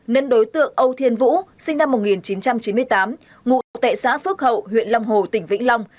nên đối tượng âu thiên vũ sinh năm một nghìn chín trăm chín mươi tám ngụ tệ xã phước hậu huyện long hồ tỉnh vĩnh long